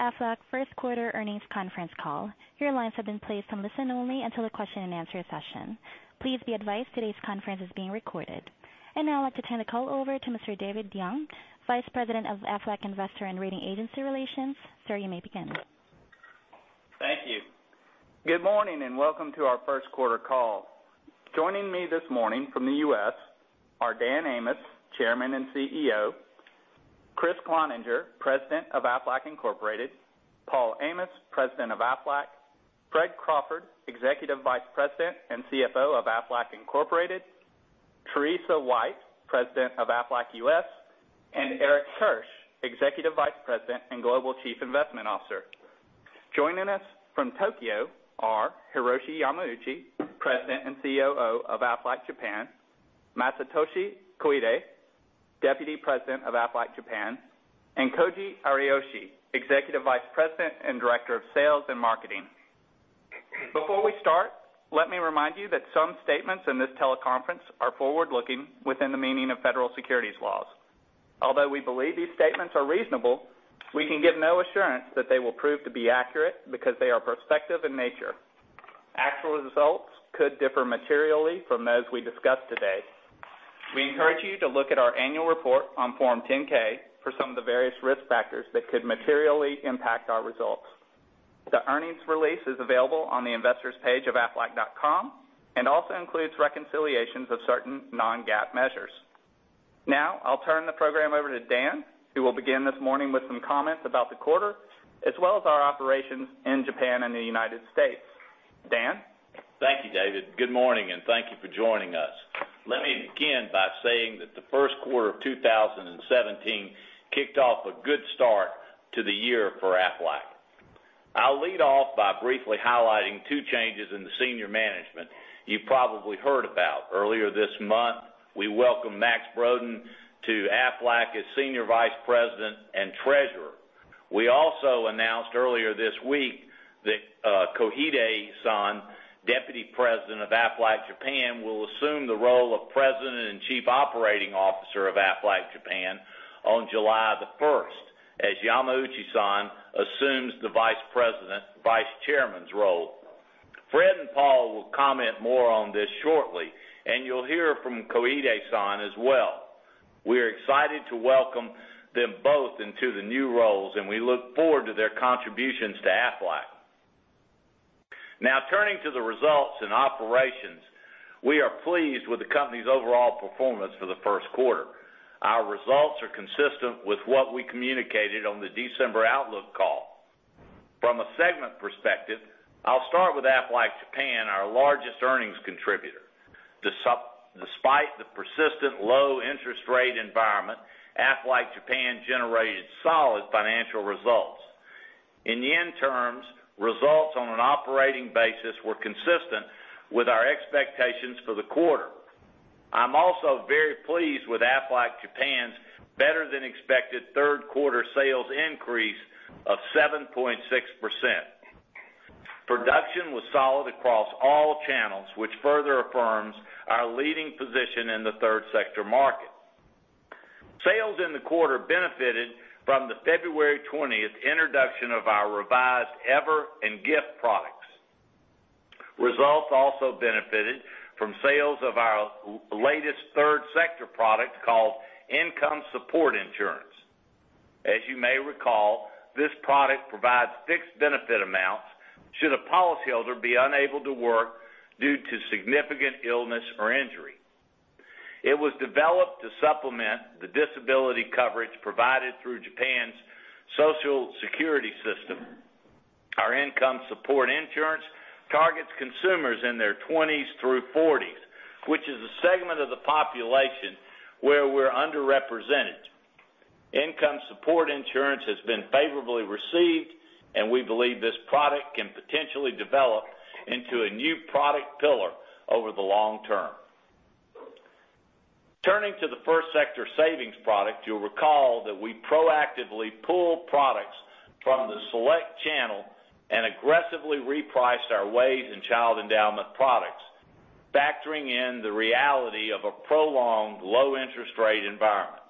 Welcome to the Aflac first quarter earnings conference call. Your lines have been placed on listen only until the question and answer session. Please be advised today's conference is being recorded. Now I'd like to turn the call over to Mr. David Young, Vice President of Aflac Investor and Rating Agency Relations. Sir, you may begin. Thank you. Good morning, and welcome to our first quarter call. Joining me this morning from the U.S. are Dan Amos, Chairman and CEO, Kriss Cloninger, President of Aflac Incorporated, Paul Amos, President of Aflac, Fred Crawford, Executive Vice President and CFO of Aflac Incorporated, Teresa White, President of Aflac U.S., and Eric Kirsch, Executive Vice President and Global Chief Investment Officer. Joining us from Tokyo are Hiroshi Yamauchi, President and COO of Aflac Japan, Masatoshi Koide, Deputy President of Aflac Japan, and Koji Ariyoshi, Executive Vice President and Director of Sales and Marketing. Before we start, let me remind you that some statements in this teleconference are forward-looking within the meaning of federal securities laws. Although we believe these statements are reasonable, we can give no assurance that they will prove to be accurate because they are prospective in nature. Actual results could differ materially from those we discuss today. We encourage you to look at our annual report on Form 10-K for some of the various risk factors that could materially impact our results. The earnings release is available on the investors page of aflac.com and also includes reconciliations of certain non-GAAP measures. I'll turn the program over to Dan, who will begin this morning with some comments about the quarter, as well as our operations in Japan and the United States. Dan? Thank you, David. Good morning, and thank you for joining us. Let me begin by saying that the first quarter of 2017 kicked off a good start to the year for Aflac. I'll lead off by briefly highlighting two changes in the senior management you probably heard about. Earlier this month, we welcomed Max Broden to Aflac as Senior Vice President and Treasurer. We also announced earlier this week that Koide-san, Deputy President of Aflac Japan, will assume the role of President and Chief Operating Officer of Aflac Japan on July the 1st as Yamauchi-san assumes the Vice Chairman's role. Fred and Paul will comment more on this shortly, and you'll hear from Koide-san as well. We are excited to welcome them both into the new roles, and we look forward to their contributions to Aflac. Now, turning to the results and operations, we are pleased with the company's overall performance for the first quarter. Our results are consistent with what we communicated on the December outlook call. From a segment perspective, I'll start with Aflac Japan, our largest earnings contributor. Despite the persistent low interest rate environment, Aflac Japan generated solid financial results. In yen terms, results on an operating basis were consistent with our expectations for the quarter. I'm also very pleased with Aflac Japan's better than expected third quarter sales increase of 7.6%. Production was solid across all channels, which further affirms our leading position in the third sector market. Sales in the quarter benefited from the February 20th introduction of our revised EVER and GIFT products. Results also benefited from sales of our latest third sector product called Income Support Insurance. As you may recall, this product provides fixed benefit amounts should a policyholder be unable to work due to significant illness or injury. It was developed to supplement the disability coverage provided through Japan's Social Security system. Our Income Support Insurance targets consumers in their 20s through 40s, which is a segment of the population where we're underrepresented. Income Support Insurance has been favorably received, and we believe this product can potentially develop into a new product pillar over the long term. Turning to the first sector savings product, you'll recall that we proactively pulled products from the select channel and aggressively repriced our WAYS and child endowment products, factoring in the reality of a prolonged low interest rate environment.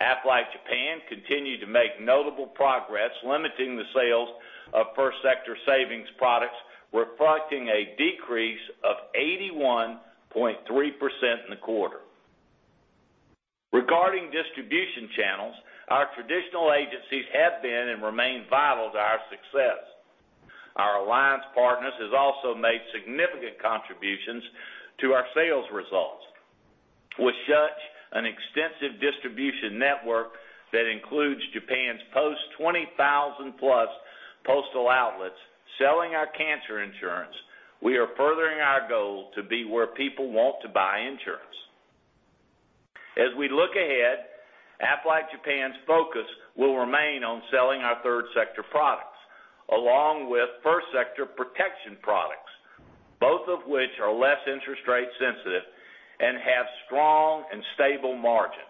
Aflac Japan continued to make notable progress limiting the sales of first sector savings products, reflecting a decrease of 81.3% in the quarter. Regarding distribution channels, our traditional agencies have been and remain vital to our success. Our alliance partners has also made significant contributions to our sales results. With such an extensive distribution network that includes Japan Post 20,000 plus postal outlets selling our cancer insurance, we are furthering our goal to be where people want to buy insurance. As we look ahead, Aflac Japan's focus will remain on selling our third sector products, along with first sector protection products, both of which are less interest rate sensitive and have strong and stable margins.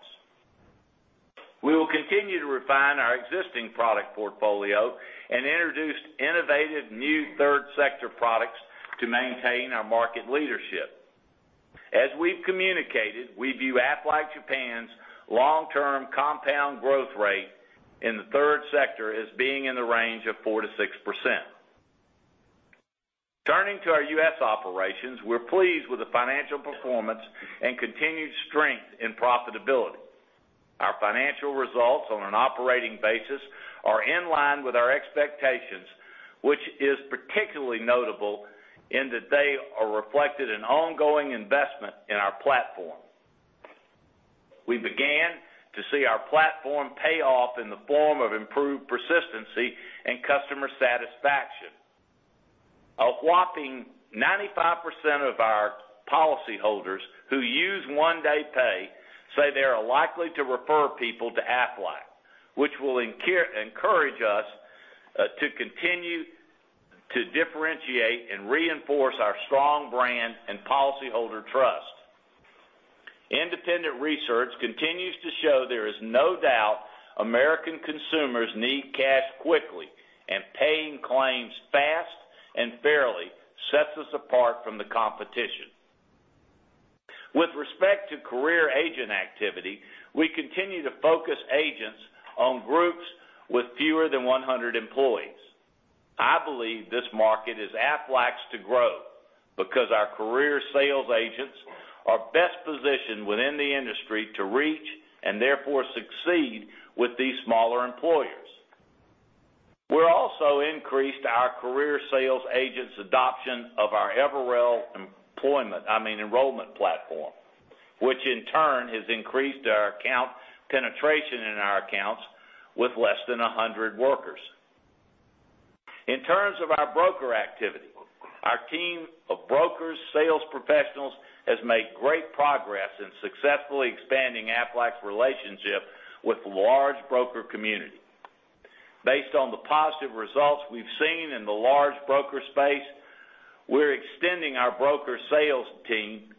We will continue to refine our existing product portfolio and introduce innovative new third sector products to maintain our market leadership. As we've communicated, we view Aflac Japan's long-term compound growth rate in the third sector as being in the range of 4%-6%. Turning to our U.S. operations, we're pleased with the financial performance and continued strength in profitability. Our financial results on an operating basis are in line with our expectations, which is particularly notable in that they are reflected in ongoing investment in our platform. We began to see our platform pay off in the form of improved persistency and customer satisfaction. A whopping 95% of our policyholders who use One Day Pay say they are likely to refer people to Aflac, which will encourage us to continue to differentiate and reinforce our strong brand and policyholder trust. Independent research continues to show there is no doubt American consumers need cash quickly, and paying claims fast and fairly sets us apart from the competition. With respect to career agent activity, we continue to focus agents on groups with fewer than 100 employees. I believe this market is Aflac's to grow because our career sales agents are best positioned within the industry to reach and therefore succeed with these smaller employers. We're also increased our career sales agents' adoption of our Everwell enrollment platform, which in turn has increased our account penetration in our accounts with less than 100 workers. In terms of our broker activity, our team of brokers, sales professionals, has made great progress in successfully expanding Aflac's relationship with large broker community. Based on the positive results we've seen in the large broker space, we're extending our broker sales team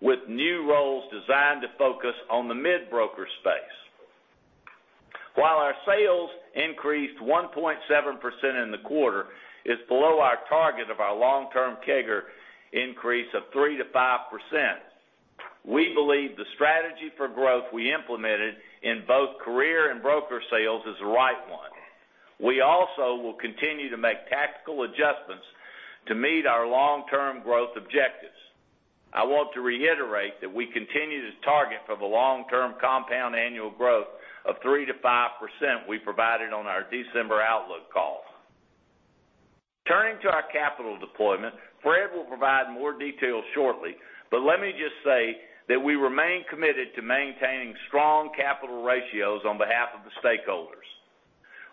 with new roles designed to focus on the mid-broker space. While our sales increased 1.7% in the quarter is below our target of our long-term CAGR increase of 3%-5%, we believe the strategy for growth we implemented in both career and broker sales is the right one. We also will continue to make tactical adjustments to meet our long-term growth objectives. I want to reiterate that we continue to target for the long-term compound annual growth of 3%-5% we provided on our December outlook call. Turning to our capital deployment, Fred will provide more details shortly, but let me just say that we remain committed to maintaining strong capital ratios on behalf of the stakeholders.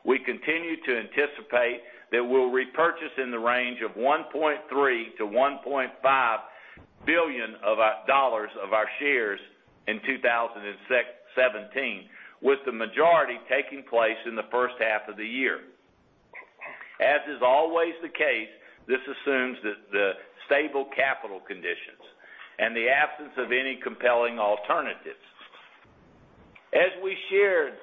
We continue to anticipate that we'll repurchase in the range of $1.3 billion-$1.5 billion of our shares in 2017, with the majority taking place in the first half of the year. As is always the case, this assumes the stable capital conditions and the absence of any compelling alternatives. As we shared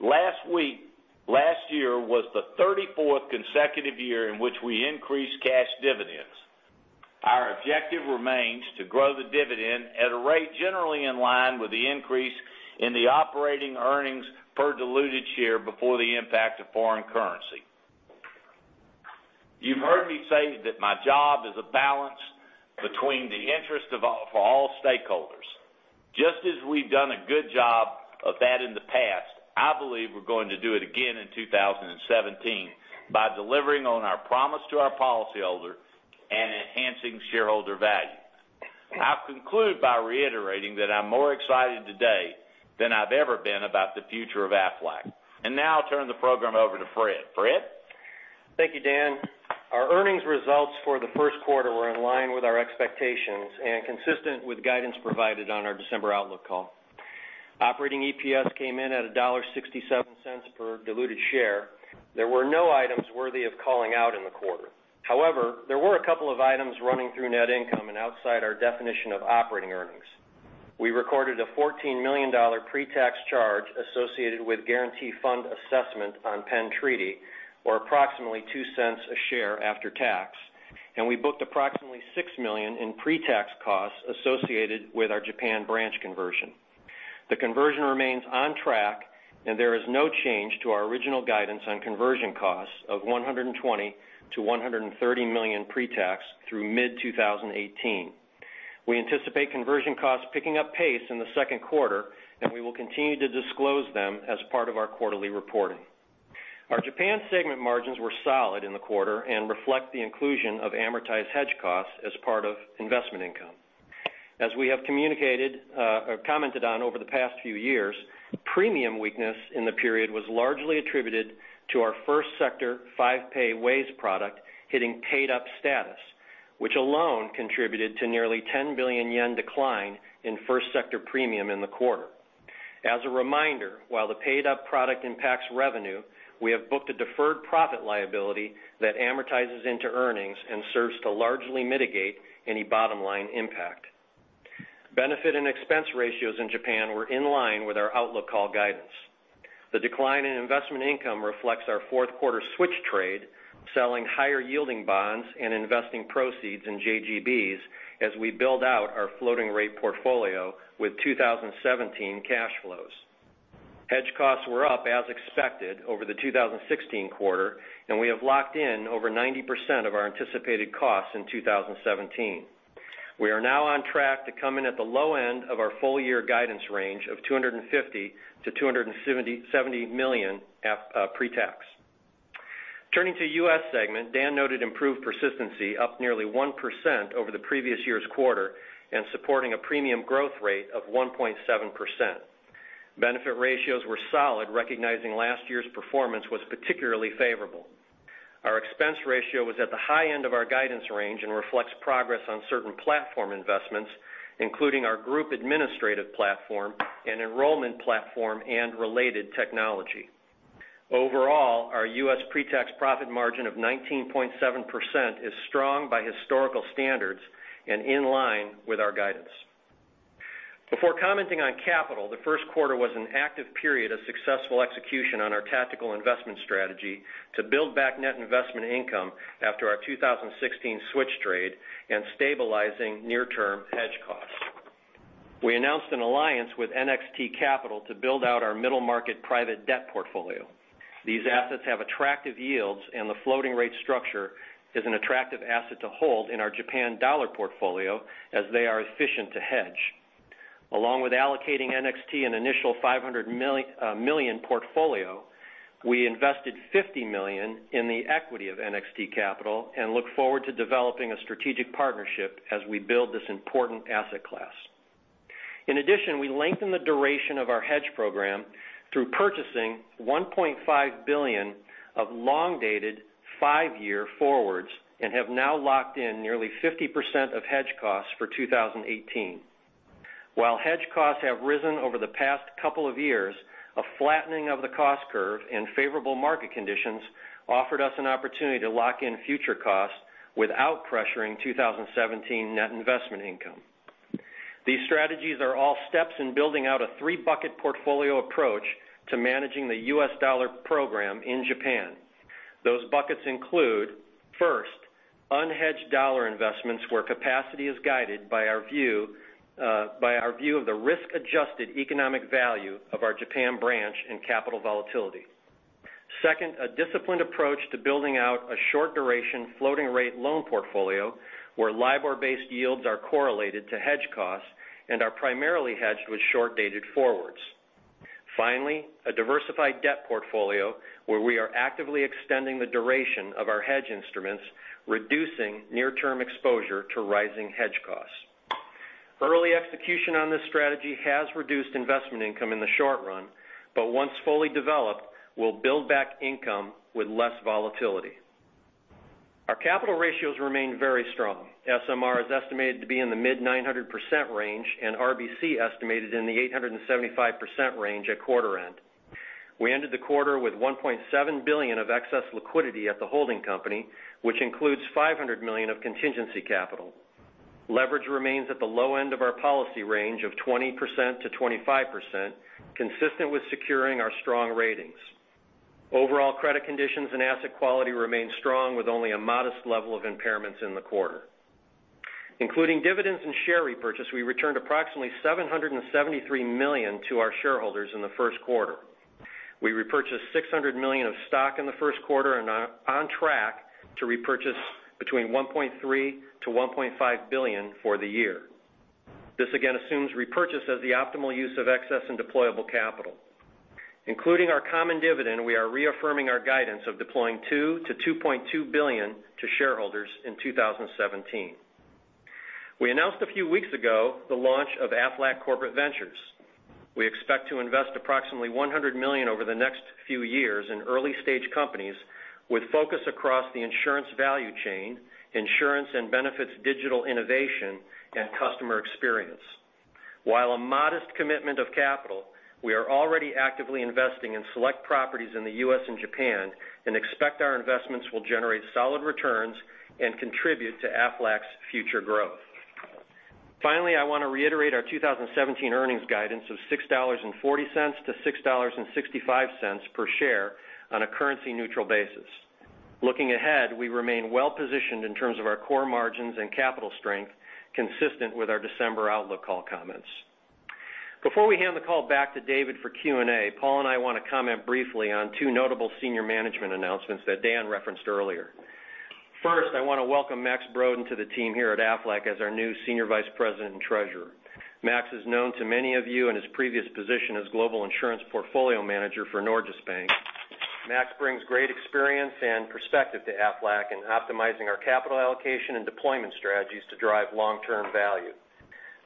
last week, last year was the 34th consecutive year in which we increased cash dividends. Our objective remains to grow the dividend at a rate generally in line with the increase in the operating earnings per diluted share before the impact of foreign currency. You've heard me say that my job is a balance between the interest for all stakeholders. Just as we've done a good job of that in the past, I believe we're going to do it again in 2017 by delivering on our promise to our policyholder and enhancing shareholder value. I'll conclude by reiterating that I'm more excited today than I've ever been about the future of Aflac. Now I'll turn the program over to Fred. Fred? Thank you, Dan. Our earnings results for the first quarter were in line with our expectations and consistent with guidance provided on our December outlook call. Operating EPS came in at $1.67 per diluted share. There were no items worthy of calling out in the quarter. However, there were a couple of items running through net income and outside our definition of operating earnings. We recorded a $14 million pre-tax charge associated with guarantee fund assessment on Penn Treaty, or approximately $0.02 a share after tax, and we booked approximately $6 million in pre-tax costs associated with our Japan branch conversion. The conversion remains on track, and there is no change to our original guidance on conversion costs of $120 million-$130 million pre-tax through mid-2018. We anticipate conversion costs picking up pace in the second quarter. We will continue to disclose them as part of our quarterly reporting. Our Japan segment margins were solid in the quarter and reflect the inclusion of amortized hedge costs as part of investment income. As we have commented on over the past few years, premium weakness in the period was largely attributed to our first sector five-pay WAYS product hitting paid-up status, which alone contributed to nearly 10 billion yen decline in first sector premium in the quarter. As a reminder, while the paid-up product impacts revenue, we have booked a deferred profit liability that amortizes into earnings and serves to largely mitigate any bottom-line impact. Benefit and expense ratios in Japan were in line with our outlook call guidance. The decline in investment income reflects our fourth quarter switch trade, selling higher yielding bonds and investing proceeds in JGBs as we build out our floating rate portfolio with 2017 cash flows. Hedge costs were up as expected over the 2016 quarter. We have locked in over 90% of our anticipated costs in 2017. We are now on track to come in at the low end of our full year guidance range of $250 million-$270 million pre-tax. Turning to U.S. segment, Dan noted improved persistency, up nearly 1% over the previous year's quarter supporting a premium growth rate of 1.7%. Benefit ratios were solid, recognizing last year's performance was particularly favorable. Our expense ratio was at the high end of our guidance range and reflects progress on certain platform investments, including our group administrative platform and enrollment platform and related technology. Overall, our U.S. pre-tax profit margin of 19.7% is strong by historical standards and in line with our guidance. Before commenting on capital, the first quarter was an active period of successful execution on our tactical investment strategy to build back net investment income after our 2016 switch trade stabilizing near-term hedge costs. We announced an alliance with NXT Capital to build out our middle market private debt portfolio. These assets have attractive yields. The floating rate structure is an attractive asset to hold in our Japan dollar portfolio as they are efficient to hedge. Along with allocating NXT an initial $500 million portfolio, we invested $50 million in the equity of NXT Capital look forward to developing a strategic partnership as we build this important asset class. In addition, we lengthened the duration of our hedge program through purchasing $1.5 billion of long-dated five-year forwards have now locked in nearly 50% of hedge costs for 2018. While hedge costs have risen over the past couple of years, a flattening of the cost curve favorable market conditions offered us an opportunity to lock in future costs without pressuring 2017 net investment income. These strategies are all steps in building out a three-bucket portfolio approach to managing the U.S. dollar program in Japan. Those buckets include, first, unhedged dollar investments where capacity is guided by our view of the risk-adjusted economic value of our Japan branch capital volatility. Second, a disciplined approach to building out a short-duration floating rate loan portfolio where LIBOR-based yields are correlated to hedge costs are primarily hedged with short-dated forwards. Finally, a diversified debt portfolio where we are actively extending the duration of our hedge instruments, reducing near-term exposure to rising hedge costs. Early execution on this strategy has reduced investment income in the short run, but once fully developed, will build back income with less volatility. Our capital ratios remain very strong. SMR is estimated to be in the mid-900% range, and RBC estimated in the 875% range at quarter end. We ended the quarter with $1.7 billion of excess liquidity at the holding company, which includes $500 million of contingency capital. Leverage remains at the low end of our policy range of 20%-25%, consistent with securing our strong ratings. Overall credit conditions and asset quality remain strong with only a modest level of impairments in the quarter. Including dividends and share repurchase, we returned approximately $773 million to our shareholders in the first quarter. We repurchased $600 million of stock in the first quarter and are on track to repurchase between $1.3 billion-$1.5 billion for the year. This again assumes repurchase as the optimal use of excess and deployable capital. Including our common dividend, we are reaffirming our guidance of deploying $2 billion-$2.2 billion to shareholders in 2017. We announced a few weeks ago the launch of Aflac Corporate Ventures. We expect to invest approximately $100 million over the next few years in early-stage companies with focus across the insurance value chain, insurance and benefits digital innovation, and customer experience. While a modest commitment of capital, we are already actively investing in select properties in the U.S. and Japan and expect our investments will generate solid returns and contribute to Aflac's future growth. Finally, I want to reiterate our 2017 earnings guidance of $6.40-$6.65 per share on a currency-neutral basis. Looking ahead, we remain well-positioned in terms of our core margins and capital strength, consistent with our December outlook call comments. Before we hand the call back to David for Q&A, Paul and I want to comment briefly on two notable senior management announcements that Dan referenced earlier. First, I want to welcome Max Broden to the team here at Aflac as our new Senior Vice President and Treasurer. Max is known to many of you in his previous position as Global Insurance Portfolio Manager for Nordea Bank. Max brings great experience and perspective to Aflac in optimizing our capital allocation and deployment strategies to drive long-term value.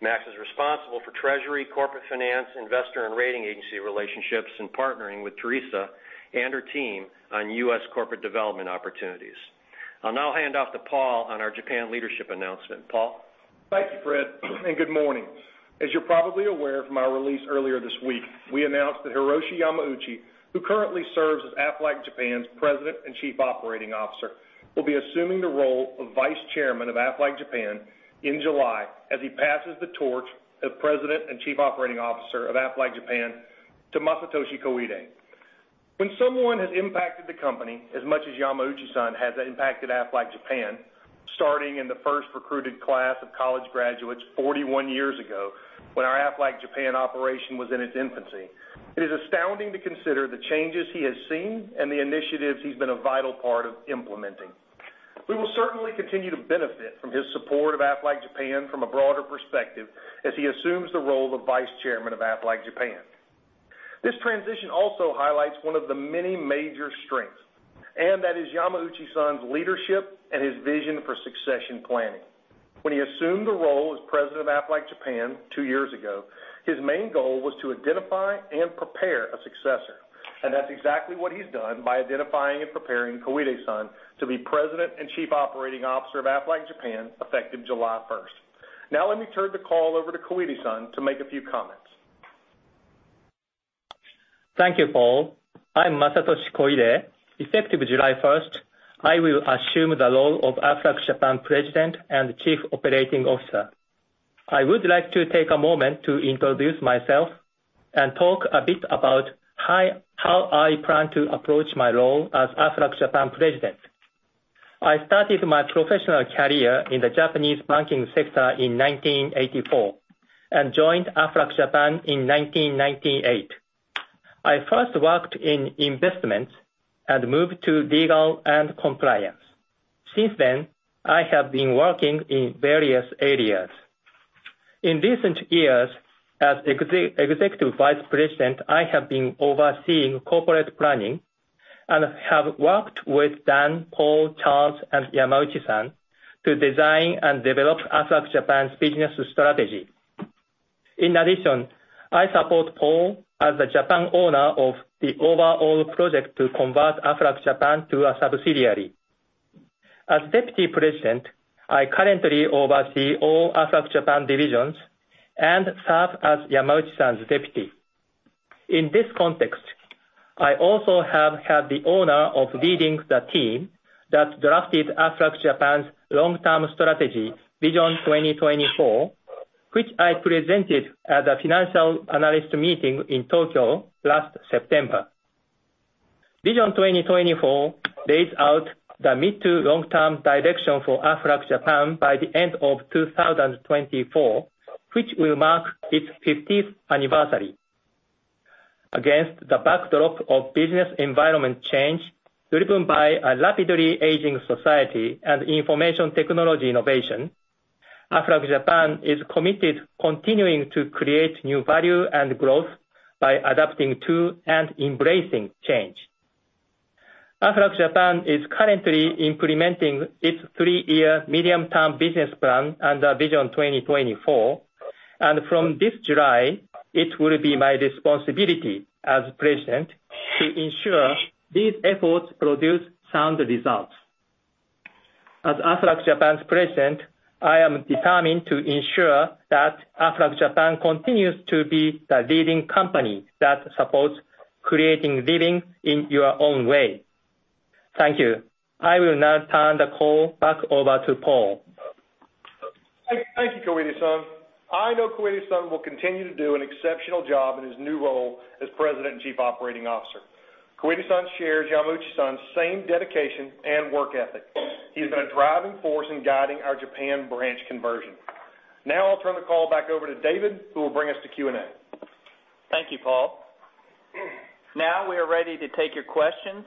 Max is responsible for treasury, corporate finance, investor and rating agency relationships, and partnering with Teresa and her team on U.S. corporate development opportunities. I'll now hand off to Paul on our Japan leadership announcement. Paul? Thank you, Fred, and good morning. As you're probably aware from our release earlier this week, we announced that Hiroshi Yamauchi, who currently serves as Aflac Japan's President and Chief Operating Officer, will be assuming the role of Vice Chairman of Aflac Japan in July as he passes the torch of President and Chief Operating Officer of Aflac Japan to Masatoshi Koide. When someone has impacted the company as much as Yamauchi-san has impacted Aflac Japan, starting in the first recruited class of college graduates 41 years ago, when our Aflac Japan operation was in its infancy, it is astounding to consider the changes he has seen and the initiatives he's been a vital part of implementing. We will certainly continue to benefit from his support of Aflac Japan from a broader perspective as he assumes the role of Vice Chairman of Aflac Japan. This transition also highlights one of the many major strengths, and that is Yamauchi-san's leadership and his vision for succession planning. When he assumed the role as president of Aflac Japan two years ago, his main goal was to identify and prepare a successor, and that's exactly what he's done by identifying and preparing Koide-san to be president and chief operating officer of Aflac Japan effective July 1st. Let me turn the call over to Koide-san to make a few comments. Thank you, Paul. I'm Masatoshi Koide. Effective July 1st, I will assume the role of Aflac Japan president and chief operating officer. I would like to take a moment to introduce myself and talk a bit about how I plan to approach my role as Aflac Japan president. I started my professional career in the Japanese banking sector in 1984 and joined Aflac Japan in 1998. I first worked in investments and moved to legal and compliance. Since then, I have been working in various areas. In recent years, as executive vice president, I have been overseeing corporate planning and have worked with Dan, Paul, Charles, and Yamauchi-san to design and develop Aflac Japan's business strategy. In addition, I support Paul as the Japan owner of the overall project to convert Aflac Japan to a subsidiary. As deputy president, I currently oversee all Aflac Japan divisions and serve as Yamauchi-san's deputy. In this context, I also have had the honor of leading the team that drafted Aflac Japan's long-term strategy, Vision 2024, which I presented at the financial analyst meeting in Tokyo last September. Vision 2024 lays out the mid to long-term direction for Aflac Japan by the end of 2024, which will mark its 50th anniversary. Against the backdrop of business environment change driven by a rapidly aging society and information technology innovation, Aflac Japan is committed continuing to create new value and growth by adapting to and embracing change. Aflac Japan is currently implementing its three-year medium term business plan under Vision 2024. From this July, it will be my responsibility as president to ensure these efforts produce sound results. As Aflac Japan's president, I am determined to ensure that Aflac Japan continues to be the leading company that supports creating living in your own way. Thank you. I will now turn the call back over to Paul. Thank you, Koide-san. I know Koide-san will continue to do an exceptional job in his new role as President and Chief Operating Officer. Koide-san shares Yamauchi-san's same dedication and work ethic. He has been a driving force in guiding our Japan branch conversion. Now I will turn the call back over to David, who will bring us to Q&A. Thank you, Paul. We are ready to take your questions,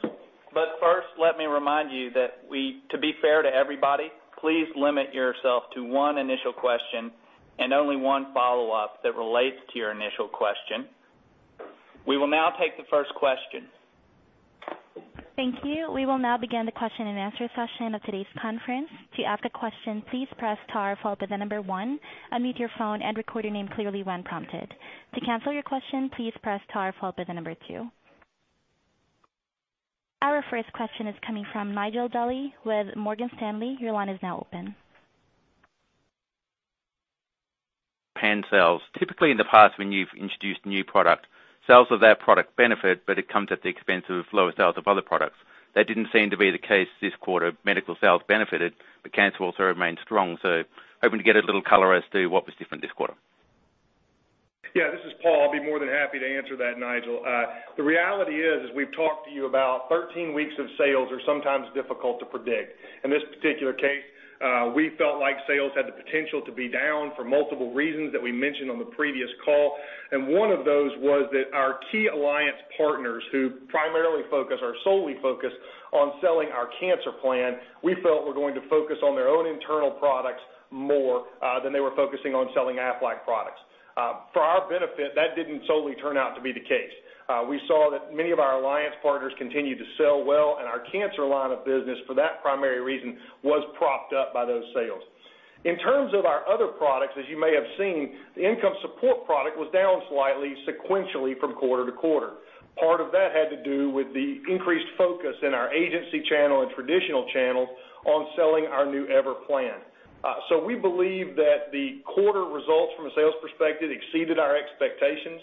first let me remind you that to be fair to everybody, please limit yourself to one initial question and only one follow-up that relates to your initial question. We will now take the first question. Thank you. We will now begin the question and answer session of today's conference. To ask a question, please press star followed by the number one, unmute your phone and record your name clearly when prompted. To cancel your question, please press star followed by the number two. Our first question is coming from Nigel Daly with Morgan Stanley. Your line is now open. Japan sales. Typically, in the past when you have introduced new product, sales of that product benefit, it comes at the expense of lower sales of other products. That did not seem to be the case this quarter. Medical sales benefited, cancer also remained strong. Hoping to get a little color as to what was different this quarter. This is Paul. I'll be more than happy to answer that, Nigel. The reality is, as we've talked to you about, 13 weeks of sales are sometimes difficult to predict. In this particular case, we felt like sales had the potential to be down for multiple reasons that we mentioned on the previous call, and one of those was that our key alliance partners who primarily focus or solely focus on selling our cancer plan, we felt were going to focus on their own internal products more than they were focusing on selling Aflac products. For our benefit, that didn't solely turn out to be the case. We saw that many of our alliance partners continued to sell well, and our cancer line of business for that primary reason was propped up by those sales. In terms of our other products, as you may have seen, the Income Support Insurance product was down slightly sequentially from quarter to quarter. Part of that had to do with the increased focus in our agency channel and traditional channel on selling our new EVER plan. We believe that the quarter results from a sales perspective exceeded our expectations.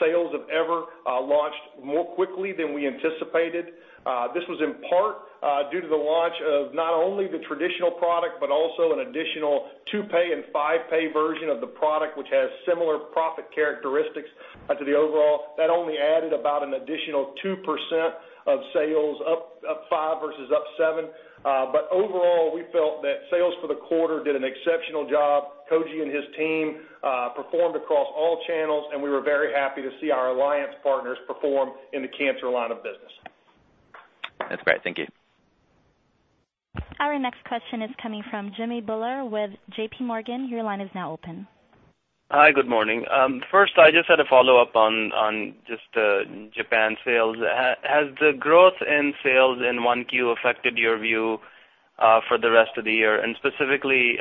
Sales of EVER launched more quickly than we anticipated. This was in part due to the launch of not only the traditional product, but also an additional two-pay and five-pay version of the product, which has similar profit characteristics to the overall. That only added about an additional 2% of sales up five versus up seven. Overall, we felt that sales for the quarter did an exceptional job. Koji and his team performed across all channels, and we were very happy to see our alliance partners perform in the cancer line of business. That's great. Thank you. Our next question is coming from Jimmy Bhullar with JPMorgan. Your line is now open. Hi, good morning. I just had a follow-up on just Japan sales. Has the growth in sales in 1Q affected your view for the rest of the year? Specifically,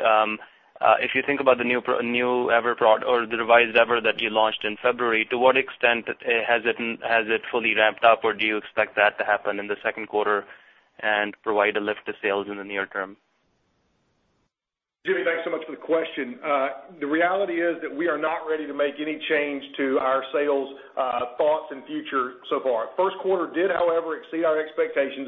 if you think about the new EVER product or the revised EVER that you launched in February, to what extent has it fully ramped up? Do you expect that to happen in the second quarter and provide a lift to sales in the near term? Jimmy, thanks so much for the question. The reality is that we are not ready to make any change to our sales thoughts and future so far. First quarter did, however, exceed our expectations.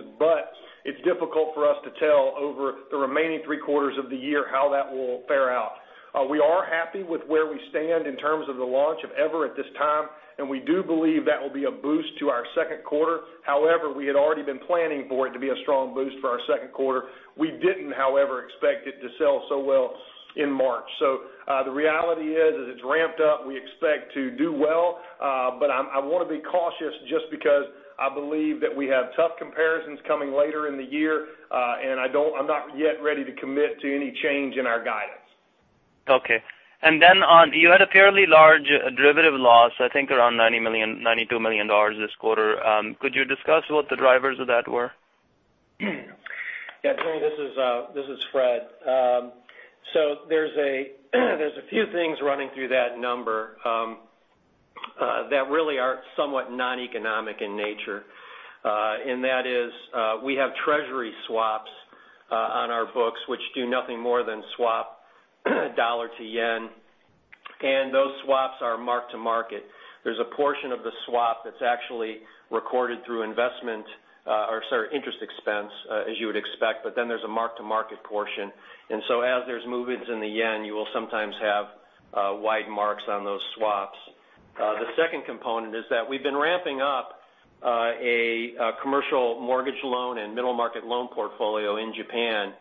It's difficult for us to tell over the remaining three quarters of the year how that will fare out. We are happy with where we stand in terms of the launch of EVER at this time. We do believe that will be a boost to our second quarter. We had already been planning for it to be a strong boost for our second quarter. We didn't, however, expect it to sell so well in March. The reality is that it's ramped up. We expect to do well. I want to be cautious just because I believe that we have tough comparisons coming later in the year. I'm not yet ready to commit to any change in our guidance. Okay. You had a fairly large derivative loss, I think around $92 million this quarter. Could you discuss what the drivers of that were? Yeah, Jimmy, this is Fred. There's a few things running through that number that really are somewhat non-economic in nature. That is, we have treasury swaps on our books, which do nothing more than swap USD to JPY, and those swaps are mark-to-market. There's a portion of the swap that's actually recorded through interest expense, as you would expect, there's a mark-to-market portion. As there's movements in the JPY, you will sometimes have wide marks on those swaps. The second component is that we've been ramping up a commercial mortgage loan and middle market loan portfolio in Japan.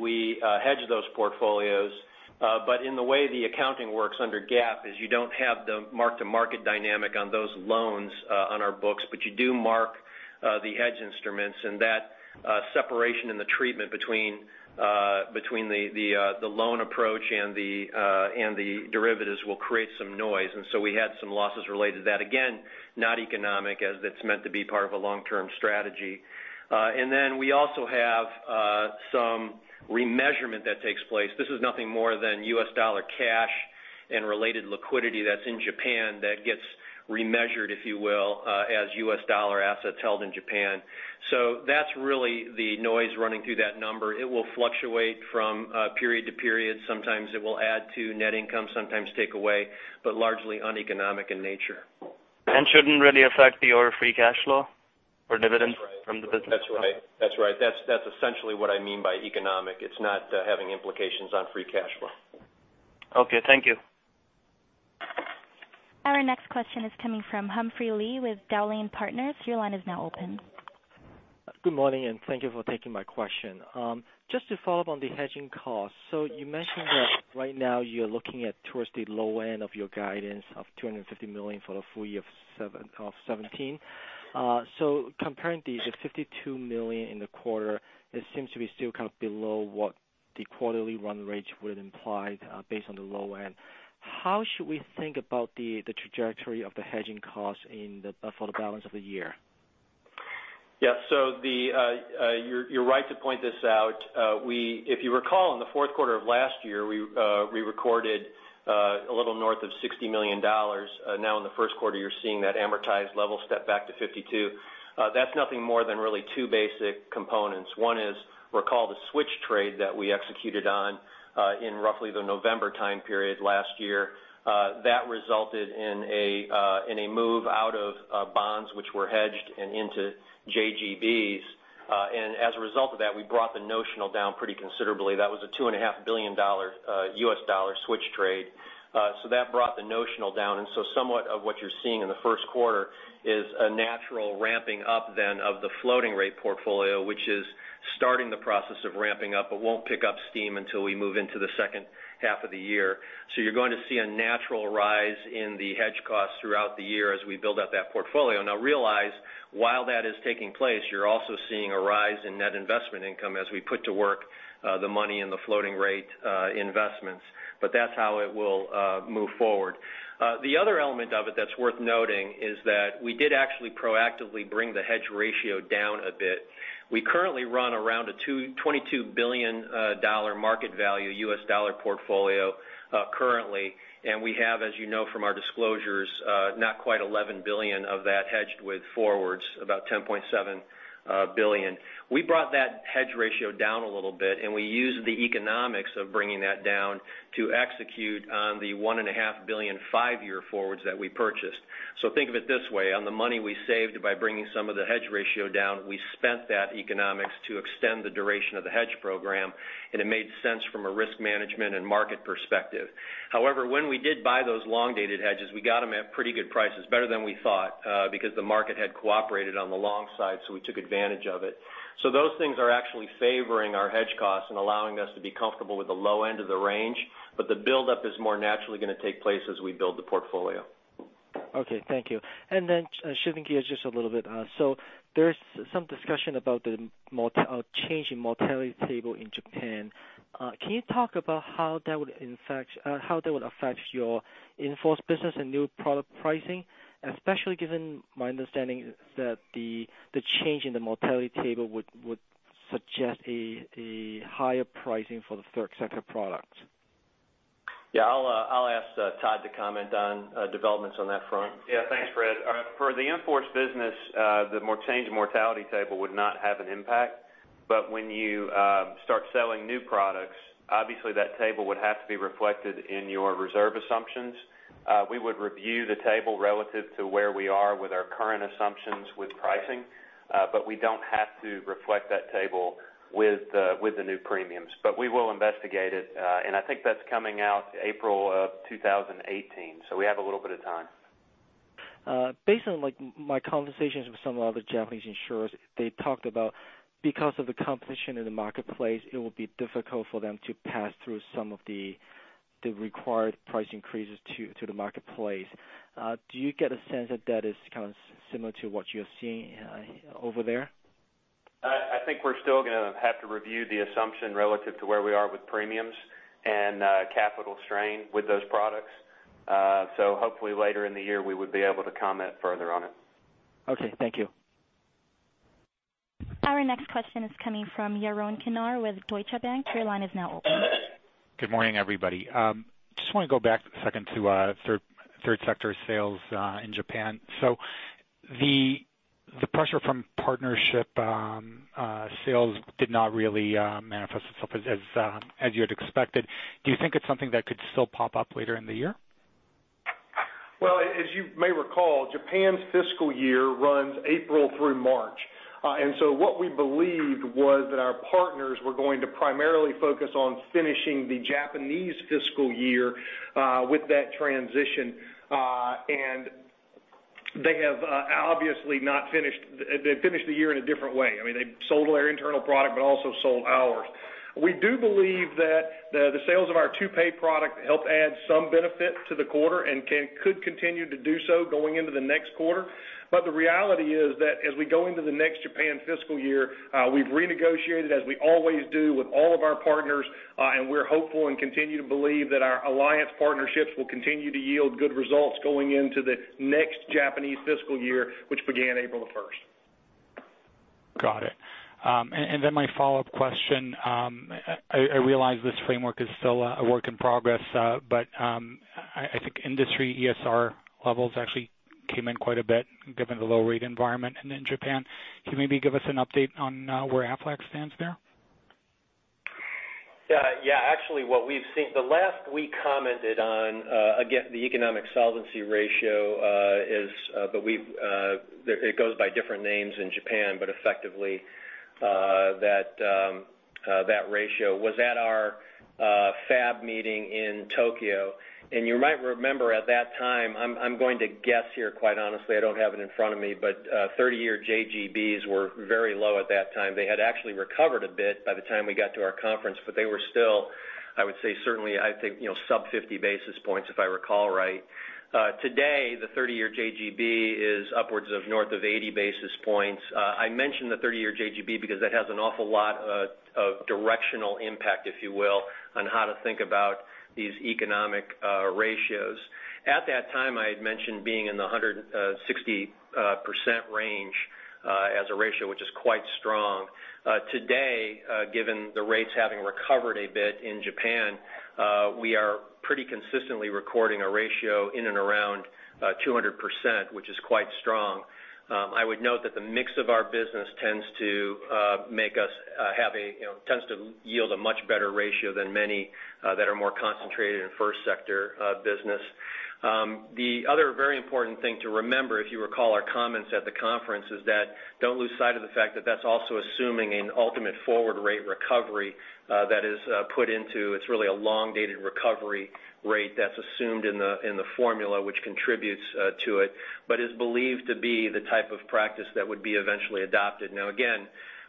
We hedge those portfolios. In the way the accounting works under GAAP, is you don't have the mark-to-market dynamic on those loans on our books, you do mark the hedge instruments, and that separation in the treatment between the loan approach and the derivatives will create some noise. We had some losses related to that. Again, not economic, as it's meant to be part of a long-term strategy. We also have some remeasurement that takes place. This is nothing more than U.S. dollar cash and related liquidity that's in Japan that gets remeasured, if you will, as U.S. dollar assets held in Japan. That's really the noise running through that number. It will fluctuate from period to period. Sometimes it will add to net income, sometimes take away, but largely uneconomic in nature. Shouldn't really affect your free cash flow or dividends from the business? That's right. That's essentially what I mean by economic. It's not having implications on free cash flow. Okay, thank you. Our next question is coming from Humphrey Lee with Dowling & Partners. Your line is now open. Good morning, and thank you for taking my question. Just to follow up on the hedging costs. You mentioned that right now you're looking at towards the low end of your guidance of $250 million for the full year of 2017. Comparing the $52 million in the quarter, it seems to be still kind of below what the quarterly run rate would imply based on the low end. How should we think about the trajectory of the hedging costs for the balance of the year? Yeah. You're right to point this out. If you recall, in the fourth quarter of last year, we recorded a little north of $60 million. In the first quarter, you're seeing that amortized level step back to 52. That's nothing more than really two basic components. One is, recall the switch trade that we executed on in roughly the November time period last year. That resulted in a move out of bonds which were hedged and into JGBs. As a result of that, we brought the notional down pretty considerably. That was a $2.5 billion U.S. dollar switch trade. That brought the notional down. Somewhat of what you're seeing in the first quarter is a natural ramping up then of the floating rate portfolio, which is starting the process of ramping up. It won't pick up steam until we move into the second half of the year. You're going to see a natural rise in the hedge cost throughout the year as we build out that portfolio. Realize, while that is taking place, you're also seeing a rise in net investment income as we put to work the money in the floating rate investments. That's how it will move forward. The other element of it that's worth noting is that we did actually proactively bring the hedge ratio down a bit. We currently run around a $22 billion market value U.S. dollar portfolio currently. We have, as you know from our disclosures, not quite $11 billion of that hedged with forwards, about $10.7 billion. We brought that hedge ratio down a little bit. We used the economics of bringing that down to execute on the $1.5 billion five-year forwards that we purchased. Think of it this way, on the money we saved by bringing some of the hedge ratio down, we spent that economics to extend the duration of the hedge program. It made sense from a risk management and market perspective. However, when we did buy those long-dated hedges, we got them at pretty good prices, better than we thought, because the market had cooperated on the long side, we took advantage of it. Those things are actually favoring our hedge costs and allowing us to be comfortable with the low end of the range. The buildup is more naturally going to take place as we build the portfolio. Okay, thank you. Shifting gears just a little bit. There's some discussion about the change in mortality table in Japan. Can you talk about how that would affect your in-force business and new product pricing? Especially given my understanding that the change in the mortality table would suggest a higher pricing for the third sector products. Yeah, I'll ask Todd to comment on developments on that front. Yeah, thanks, Fred. For the in-force business, the change in mortality table would not have an impact. When you start selling new products, obviously that table would have to be reflected in your reserve assumptions. We would review the table relative to where we are with our current assumptions with pricing, we don't have to reflect that table with the new premiums. We will investigate it, and I think that's coming out April of 2018, so we have a little bit of time. Based on my conversations with some of the other Japanese insurers, they talked about how because of the competition in the marketplace, it will be difficult for them to pass through some of the required price increases to the marketplace. Do you get a sense that that is kind of similar to what you're seeing over there? I think we're still going to have to review the assumption relative to where we are with premiums and capital strain with those products. Hopefully later in the year, we would be able to comment further on it. Okay, thank you. Our next question is coming from Yaron Kinar with Deutsche Bank. Your line is now open. Good morning, everybody. Just want to go back a second to third sector sales in Japan. The pressure from partnership sales did not really manifest itself as you had expected. Do you think it's something that could still pop up later in the year? Well, as you may recall, Japan's fiscal year runs April through March. What we believed was that our partners were going to primarily focus on finishing the Japanese fiscal year with that transition. They have obviously finished the year in a different way. I mean, they sold their internal product, but also sold ours. We do believe that the sales of our two-pay product help add some benefit to the quarter and could continue to do so going into the next quarter. The reality is that as we go into the next Japan fiscal year, we've renegotiated, as we always do, with all of our partners, and we're hopeful and continue to believe that our alliance partnerships will continue to yield good results going into the next Japanese fiscal year, which began April the 1st. Got it. I realize this framework is still a work in progress, but I think industry ESR levels actually came in quite a bit, given the low rate environment in Japan. Can you maybe give us an update on where Aflac stands there? The last we commented on, again, the Economic Solvency Ratio, it goes by different names in Japan, but effectively that ratio was at our FAB meeting in Tokyo. You might remember at that time, I'm going to guess here, quite honestly, I don't have it in front of me, but 30-year JGBs were very low at that time. They had actually recovered a bit by the time we got to our conference, but they were still, I would say, certainly, I think sub 50 basis points, if I recall right. Today, the 30-year JGB is upwards of north of 80 basis points. I mentioned the 30-year JGB because that has an awful lot of directional impact, if you will, on how to think about these economic ratios. At that time, I had mentioned being in the 160% range as a ratio, which is quite strong. Today, given the rates having recovered a bit in Japan, we are pretty consistently recording a ratio in and around 200%, which is quite strong. I would note that the mix of our business tends to yield a much better ratio than many that are more concentrated in first sector business. The other very important thing to remember, if you recall our comments at the conference, is that don't lose sight of the fact that's also assuming an ultimate forward rate recovery that is put into, it's really a long-dated recovery rate that's assumed in the formula, which contributes to it, but is believed to be the type of practice that would be eventually adopted.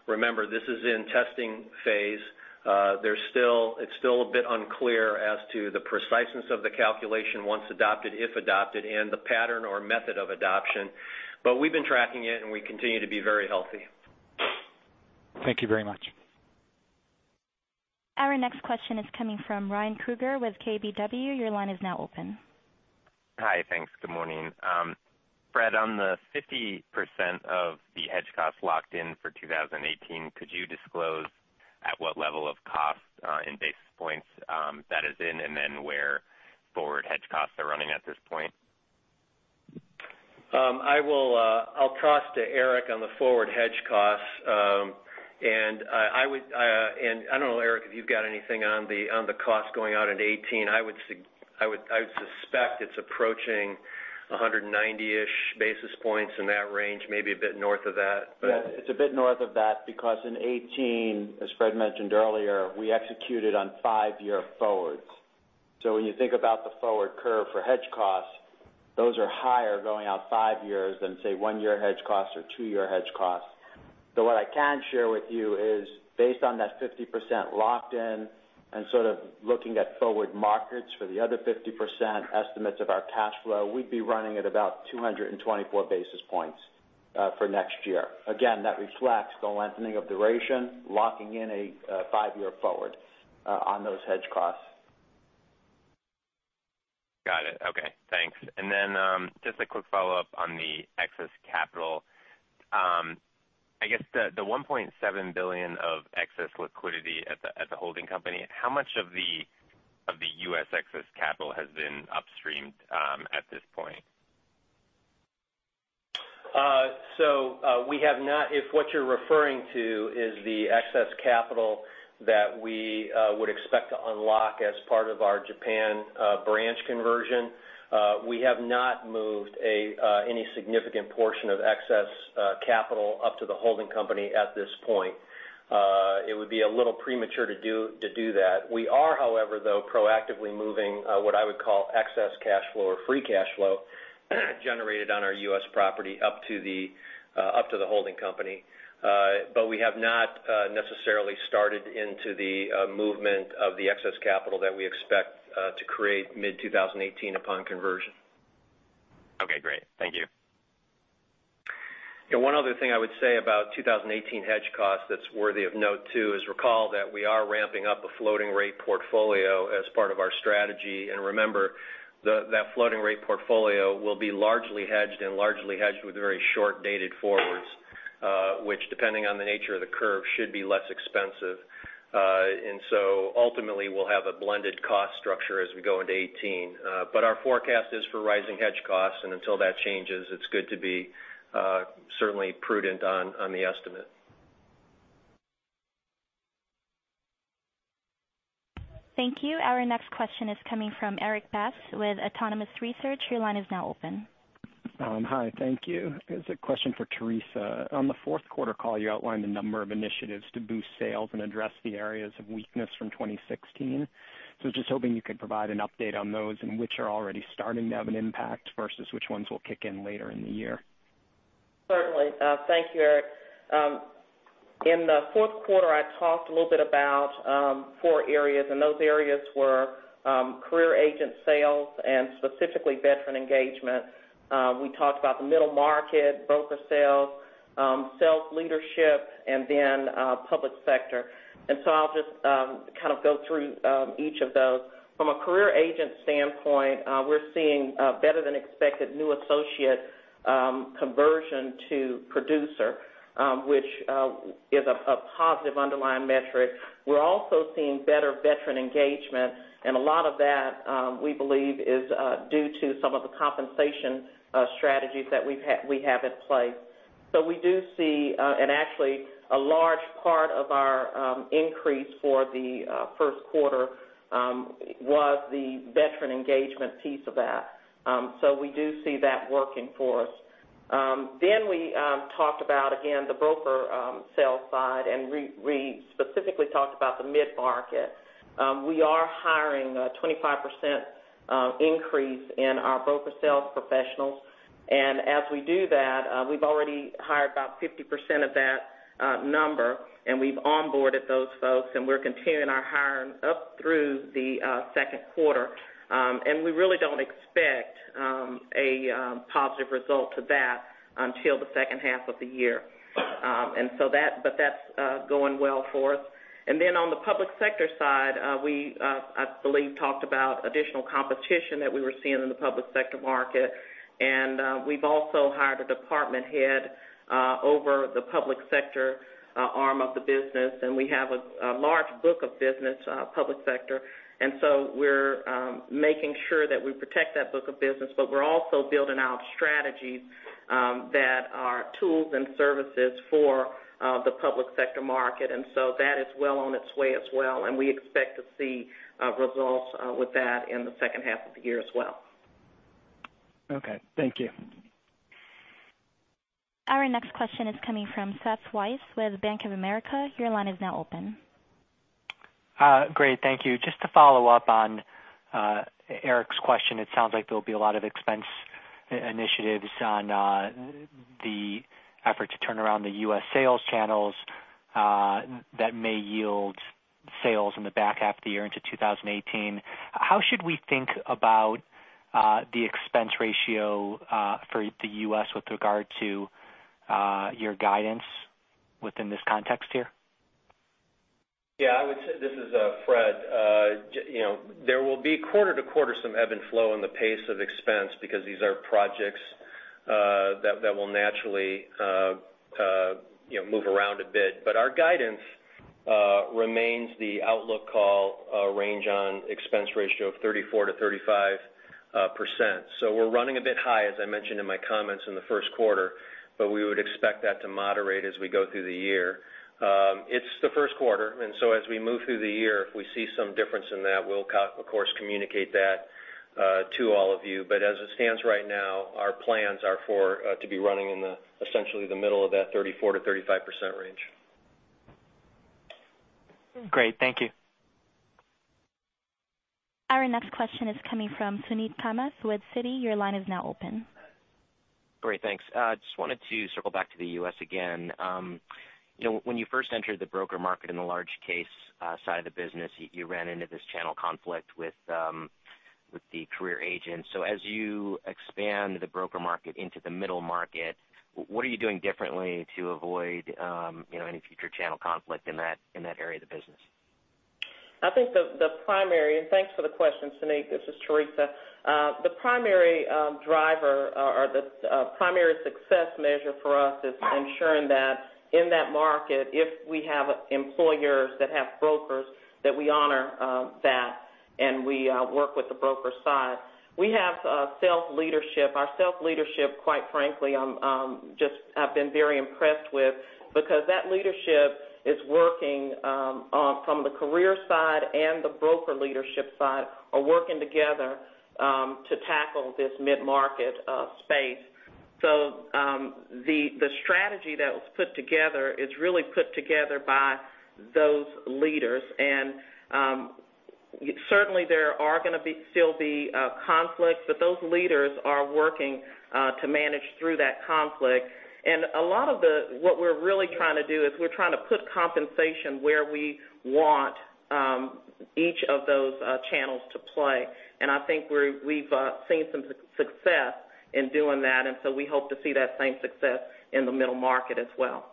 Remember, this is in testing phase. It's still a bit unclear as to the preciseness of the calculation once adopted, if adopted, and the pattern or method of adoption. We've been tracking it, and we continue to be very healthy. Thank you very much. Our next question is coming from Ryan Krueger with KBW. Your line is now open. Hi. Thanks. Good morning. Fred, on the 50% of the hedge costs locked in for 2018, could you disclose at what level of cost in basis points that is in, and then where forward hedge costs are running at this point? I'll toss to Eric on the forward hedge costs. I don't know, Eric, if you've got anything on the cost going out into 2018. I would suspect it's approaching 190-ish basis points in that range, maybe a bit north of that. Yeah, it's a bit north of that because in 2018, as Fred mentioned earlier, we executed on five-year forwards. When you think about the forward curve for hedge costs, those are higher going out 5 years than, say, one-year hedge costs or two-year hedge costs. What I can share with you is based on that 50% locked in and looking at forward markets for the other 50% estimates of our cash flow, we'd be running at about 224 basis points for next year. Again, that reflects the lengthening of duration, locking in a five-year forward on those hedge costs. Got it. Okay. Thanks. Just a quick follow-up on the excess capital. I guess the $1.7 billion of excess liquidity at the holding company, how much of the U.S. excess capital has been upstreamed at this point? We have not. If what you're referring to is the excess capital that we would expect to unlock as part of our Japan branch conversion, we have not moved any significant portion of excess capital up to the holding company at this point. It would be a little premature to do that. We are, however, though, proactively moving what I would call excess cash flow or free cash flow generated on our U.S. property up to the holding company. We have not necessarily started into the movement of the excess capital that we expect to create mid-2018 upon conversion. Okay, great. Thank you. Yeah, one other thing I would say about 2018 hedge costs that is worthy of note too is recall that we are ramping up a floating rate portfolio as part of our strategy. Remember, that floating rate portfolio will be largely hedged and largely hedged with very short-dated forwards, which depending on the nature of the curve, should be less expensive. Ultimately, we will have a blended cost structure as we go into 2018. Our forecast is for rising hedge costs, and until that changes, it is good to be certainly prudent on the estimate. Thank you. Our next question is coming from Erik Bass with Autonomous Research. Your line is now open. Hi, thank you. This is a question for Teresa. On the fourth quarter call, you outlined a number of initiatives to boost sales and address the areas of weakness from 2016. Just hoping you could provide an update on those and which are already starting to have an impact versus which ones will kick in later in the year. Certainly. Thank you, Eric. In the fourth quarter, I talked a little bit about four areas, and those areas were career agent sales and specifically veteran engagement. We talked about the middle market, broker sales leadership, and public sector. I'll just go through each of those. From a career agent standpoint, we're seeing better-than-expected new associate conversion to producer, which is a positive underlying metric. We're also seeing better veteran engagement, and a lot of that, we believe, is due to some of the compensation strategies that we have in place. We do see, and actually a large part of our increase for the first quarter was the veteran engagement piece of that. We do see that working for us. We talked about, again, the broker sales side, and we specifically talked about the mid-market. We are hiring a 25% increase in our broker sales professionals. As we do that, we've already hired about 50% of that number, and we've onboarded those folks, and we're continuing our hiring up through the second quarter. We really don't expect a positive result to that until the second half of the year. That's going well for us. On the public sector side, we, I believe, talked about additional competition that we were seeing in the public sector market. We've also hired a department head over the public sector arm of the business, and we have a large book of business, public sector. We're making sure that we protect that book of business, but we're also building out strategies that are tools and services for the public sector market. That is well on its way as well, and we expect to see results with that in the second half of the year as well. Okay. Thank you. Our next question is coming from Seth Weiss with Bank of America. Your line is now open. Great. Thank you. Just to follow up on Erik's question, it sounds like there will be a lot of expense initiatives on the effort to turn around the U.S. sales channels that may yield sales in the back half of the year into 2018. How should we think about the expense ratio for the U.S. with regard to your guidance within this context here? Yeah, this is Fred. There will be quarter to quarter some ebb and flow in the pace of expense because these are projects that will naturally move around a bit. Our guidance remains the outlook call range on expense ratio of 34%-35%. We're running a bit high, as I mentioned in my comments in the first quarter, we would expect that to moderate as we go through the year. It's the first quarter, as we move through the year, if we see some difference in that, we'll of course communicate that to all of you. As it stands right now, our plans are to be running in essentially the middle of that 34%-35% range. Great. Thank you. Our next question is coming from Suneet Kamath with Citi. Your line is now open. Great, thanks. Just wanted to circle back to the U.S. again. When you first entered the broker market in the large case side of the business, you ran into this channel conflict with the career agents. As you expand the broker market into the middle market, what are you doing differently to avoid any future channel conflict in that area of the business? I think the primary, and thanks for the question, Suneet. This is Teresa. The primary driver or the primary success measure for us is ensuring that in that market, if we have employers that have brokers, that we honor that and we work with the broker side. We have self-leadership. Our self-leadership, quite frankly, I've been very impressed with, because that leadership is working from the career side and the broker leadership side are working together to tackle this mid-market space. The strategy that was put together is really put together by those leaders. Certainly there are going to still be conflicts, but those leaders are working to manage through that conflict. A lot of what we're really trying to do is we're trying to put compensation where we want each of those channels to play. I think we've seen some success in doing that, and so we hope to see that same success in the middle market as well.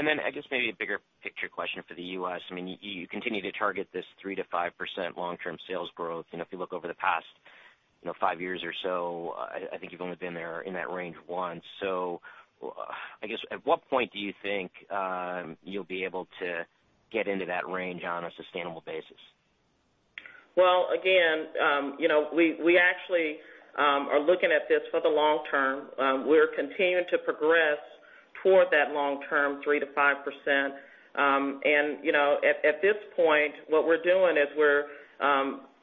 I guess maybe a bigger picture question for the U.S. You continue to target this 3%-5% long-term sales growth. If you look over the past five years or so, I think you've only been there in that range once. I guess, at what point do you think you'll be able to get into that range on a sustainable basis? Well, again, we actually are looking at this for the long term. We're continuing to progress toward that long-term 3%-5%. At this point, what we're doing is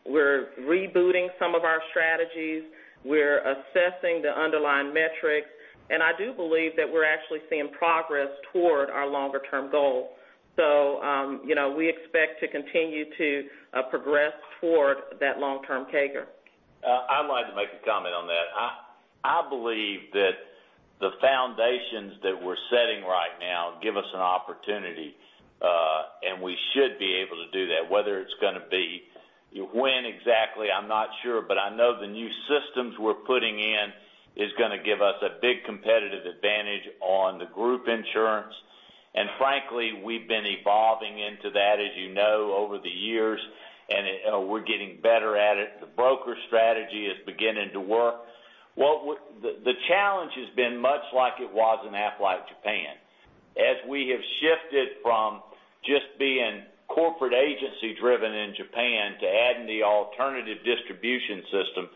we're rebooting some of our strategies. We're assessing the underlying metrics, and I do believe that we're actually seeing progress toward our longer term goal. We expect to continue to progress toward that long-term CAGR. I'd like to make a comment on that. I believe that the foundations that we're setting right now give us an opportunity, and we should be able to do that. Whether it's going to be when exactly, I'm not sure, but I know the new systems we're putting in is going to give us a big competitive advantage on the group insurance. Frankly, we've been evolving into that, as you know, over the years, and we're getting better at it. The broker strategy is beginning to work. The challenge has been much like it was in Aflac Japan. As we have shifted from just being corporate agency driven in Japan to adding the alternative distribution system,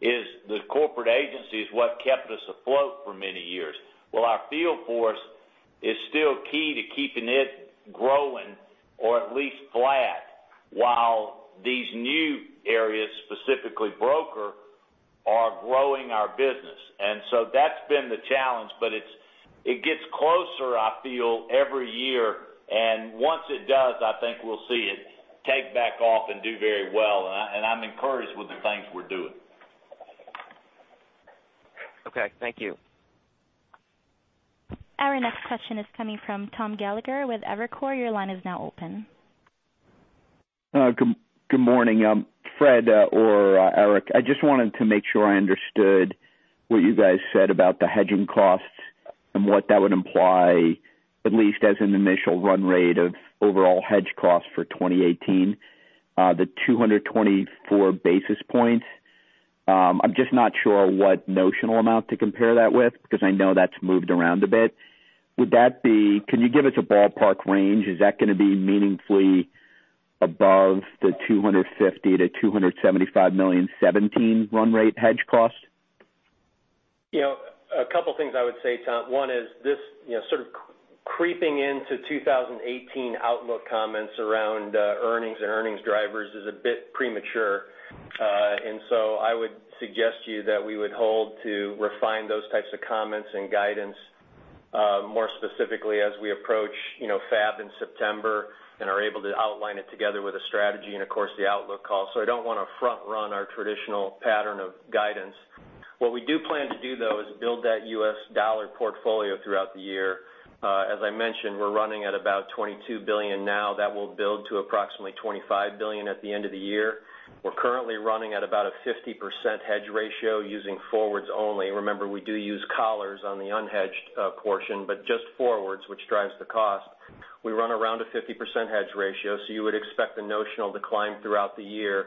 is the corporate agency is what kept us afloat for many years. Well, our field force is still key to keeping it growing or at least flat, while these new areas, specifically broker, are growing our business. That's been the challenge. It gets closer, I feel, every year, and once it does, I think we'll see it take back off and do very well. I'm encouraged with the things we're doing. Okay, thank you. Our next question is coming from Tom Gallagher with Evercore. Your line is now open. Good morning. Fred or Eric, I just wanted to make sure I understood what you guys said about the hedging costs and what that would imply, at least as an initial run rate of overall hedge costs for 2018. The 224 basis points, I'm just not sure what notional amount to compare that with because I know that's moved around a bit. Can you give us a ballpark range? Is that going to be meaningfully above the $250 million to $275 million 2017 run rate hedge cost? A couple of things I would say, Tom. One is this sort of creeping into 2018 outlook comments around earnings and earnings drivers is a bit premature. I would suggest to you that we would hold to refine those types of comments and guidance, more specifically as we approach FAB in September and are able to outline it together with a strategy and of course the outlook call. I don't want to front run our traditional pattern of guidance. What we do plan to do, though, is build that U.S. dollar portfolio throughout the year. As I mentioned, we're running at about $22 billion now. That will build to approximately $25 billion at the end of the year. We're currently running at about a 50% hedge ratio using forwards only. Remember, we do use collars on the unhedged portion, but just forwards, which drives the cost. We run around a 50% hedge ratio, you would expect the notional decline throughout the year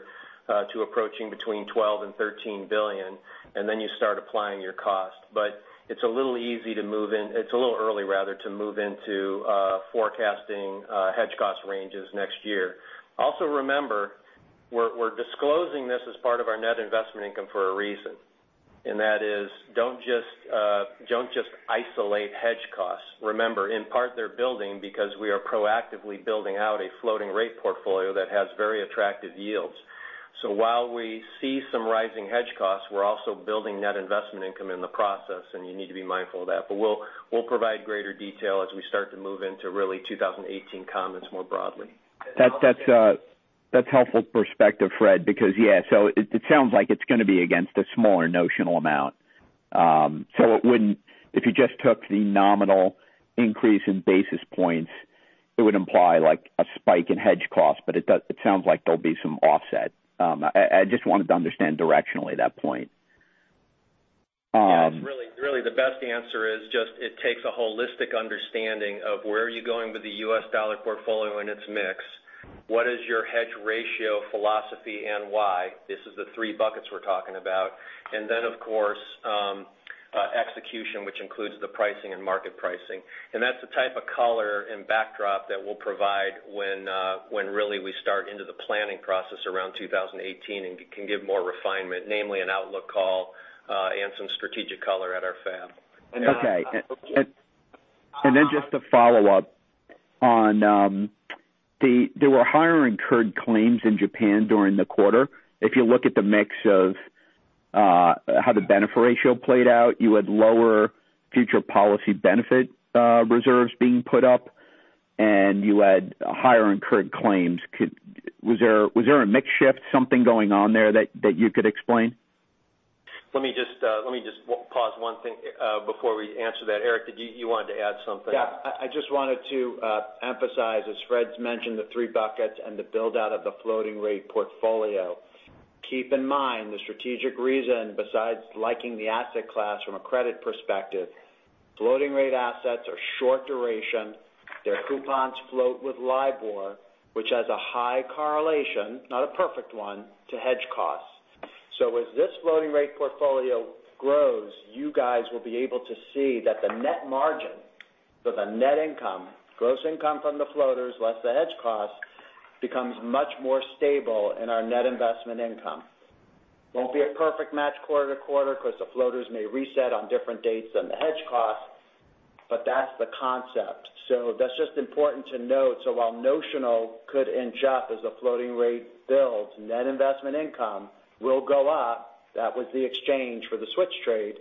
to approaching between $12 billion and $13 billion, and then you start applying your cost. It's a little early to move into forecasting hedge cost ranges next year. Remember, we're disclosing this as part of our net investment income for a reason, and that is don't just isolate hedge costs. Remember, in part, they're building because we are proactively building out a floating rate portfolio that has very attractive yields. While we see some rising hedge costs, we're also building net investment income in the process, and you need to be mindful of that. We'll provide greater detail as we start to move into really 2018 comments more broadly. That's helpful perspective, Fred, because yeah. It sounds like it's going to be against a smaller notional amount. If you just took the nominal increase in basis points, it would imply like a spike in hedge costs, it sounds like there'll be some offset. I just wanted to understand directionally that point. Yeah. Really the best answer is just, it takes a holistic understanding of where are you going with the U.S. dollar portfolio and its mix? What is your hedge ratio philosophy and why? This is the three buckets we're talking about. Of course, execution, which includes the pricing and market pricing. That's the type of color and backdrop that we'll provide when really we start into the planning process around 2018 and can give more refinement, namely an outlook call, and some strategic color at our FAB. Okay. Just to follow up on, there were higher incurred claims in Japan during the quarter. If you look at the mix of how the benefit ratio played out, you had lower future policy benefit reserves being put up, and you had higher incurred claims. Was there a mix shift, something going on there that you could explain? Let me just pause one thing, before we answer that. Eric, you wanted to add something? Yeah, I just wanted to emphasize, as Fred's mentioned, the three buckets and the build-out of the floating rate portfolio. Keep in mind the strategic reason besides liking the asset class from a credit perspective, floating rate assets are short duration. Their coupons float with LIBOR, which has a high correlation, not a perfect one, to hedge costs. As this floating rate portfolio grows, you guys will be able to see that the net margin, so the net income, gross income from the floaters less the hedge cost, becomes much more stable in our net investment income. Won't be a perfect match quarter to quarter because the floaters may reset on different dates than the hedge costs, but that's the concept. That's just important to note. While notional could inch up as the floating rate builds, net investment income will go up. That was the exchange for the switch trade.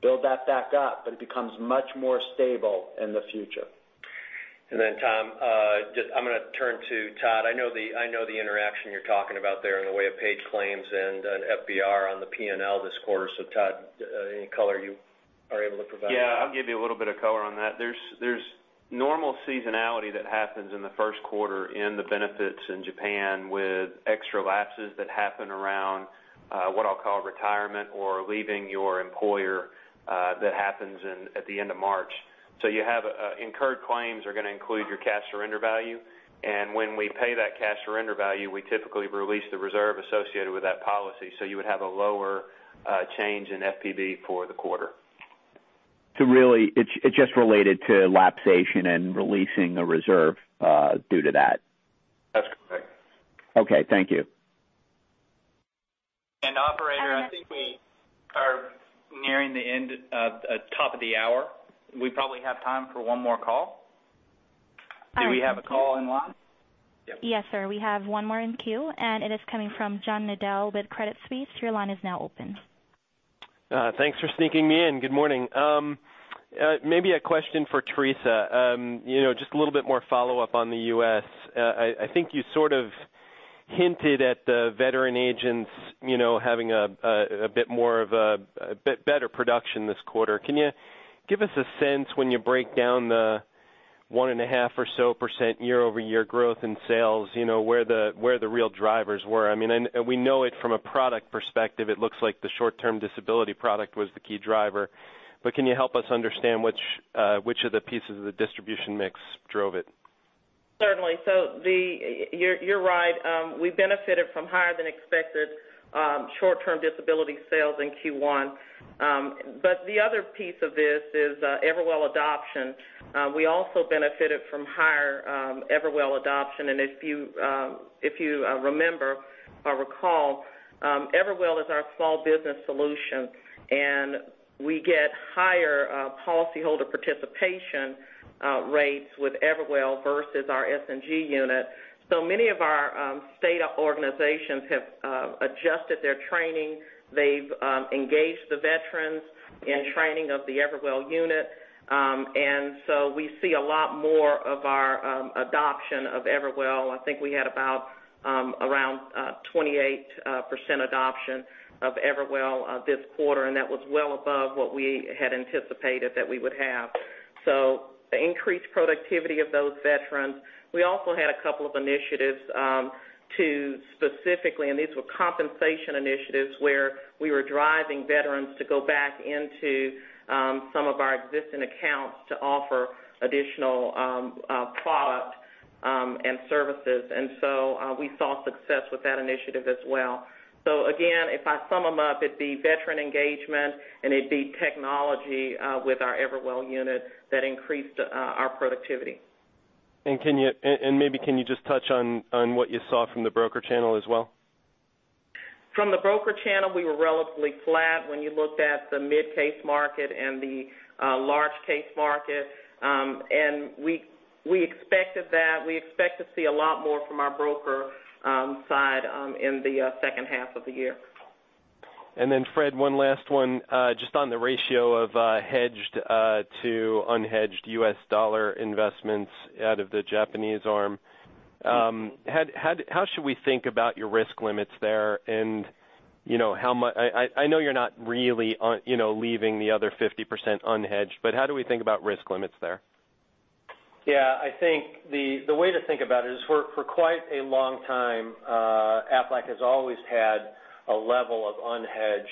Build that back up, but it becomes much more stable in the future. Tom, I'm going to turn to Todd. I know the interaction you're talking about there in the way of paid claims and an FBR on the P&L this quarter. Todd, any color you are able to provide? Yeah. I'll give you a little bit of color on that. There's normal seasonality that happens in the first quarter in the benefits in Japan with extra lapses that happen around, what I'll call retirement or leaving your employer, that happens at the end of March. You have incurred claims are going to include your cash surrender value, and when we pay that cash surrender value, we typically release the reserve associated with that policy, so you would have a lower change in FPV for the quarter. Really it's just related to lapsation and releasing the reserve due to that. That's correct. Okay. Thank you. Operator, I think we are nearing the end of the top of the hour. We probably have time for one more call. Do we have a call in line? Yes, sir. We have one more in queue, and it is coming from John Nadel with Credit Suisse. Your line is now open. Thanks for sneaking me in. Good morning. Maybe a question for Teresa. Just a little bit more follow-up on the U.S. I think you sort of hinted at the veteran agents having a bit better production this quarter. Can you give us a sense when you break down the one and a half or so % year-over-year growth in sales, where the real drivers were? I mean, we know it from a product perspective, it looks like the short-term disability product was the key driver, can you help us understand which of the pieces of the distribution mix drove it? Certainly. You're right. We benefited from higher than expected short-term disability sales in Q1. The other piece of this is Everwell adoption. We also benefited from higher Everwell adoption, if you remember or recall, Everwell is our small business solution, and we get higher policy holder participation rates with Everwell versus our S&G unit. Many of our state organizations have adjusted their training. They've engaged the veterans in training of the Everwell unit. We see a lot more of our adoption of Everwell. I think we had about around 28% adoption of Everwell this quarter, and that was well above what we had anticipated that we would have. The increased productivity of those veterans. We also had a couple of initiatives to specifically, and these were compensation initiatives where we were driving veterans to go back into some of our existing accounts to offer additional product and services. We saw success with that initiative as well. Again, if I sum them up, it would be veteran engagement and it would be technology with our Everwell unit that increased our productivity. Maybe can you just touch on what you saw from the broker channel as well? From the broker channel, we were relatively flat when you looked at the mid-case market and the large case market. We expected that. We expect to see a lot more from our broker side in the second half of the year. Fred, one last one. Just on the ratio of hedged to unhedged U.S. dollar investments out of the Japanese arm. How should we think about your risk limits there? I know you're not really leaving the other 50% unhedged, but how do we think about risk limits there? I think the way to think about it is for quite a long time, Aflac has always had a level of unhedged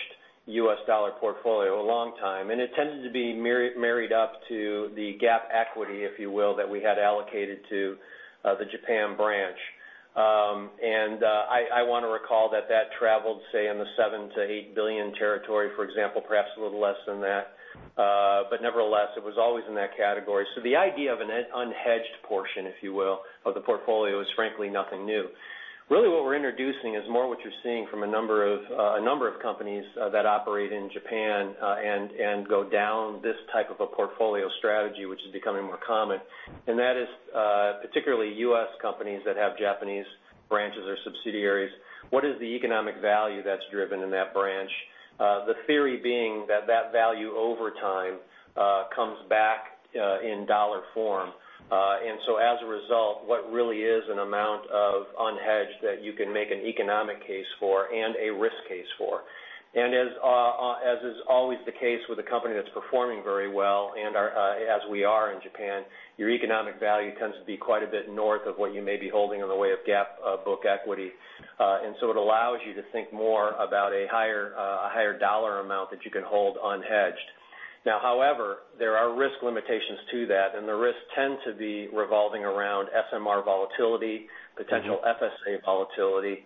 U.S. dollar portfolio, a long time, and it tended to be married up to the GAAP equity, if you will, that we had allocated to the Japan branch. I want to recall that traveled, say, in the $7 billion-$8 billion territory, for example, perhaps a little less than that. Nevertheless, it was always in that category. The idea of an unhedged portion, if you will, of the portfolio is frankly nothing new. Really what we're introducing is more what you're seeing from a number of companies that operate in Japan, and go down this type of a portfolio strategy, which is becoming more common. That is particularly U.S. companies that have Japanese branches or subsidiaries. What is the economic value that's driven in that branch? The theory being that value over time comes back in dollar form. As a result, what really is an amount of unhedged that you can make an economic case for and a risk case for. As is always the case with a company that's performing very well, and as we are in Japan, your economic value tends to be quite a bit north of what you may be holding in the way of GAAP book equity. So it allows you to think more about a higher dollar amount that you can hold unhedged. Now, however, there are risk limitations to that, and the risks tend to be revolving around SMR volatility, potential FSA volatility.